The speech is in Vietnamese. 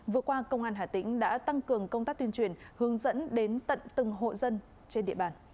vừa qua công an hà tĩnh đã tăng cường công tác tuyên truyền hướng dẫn đến tận từng hộ dân trên địa bàn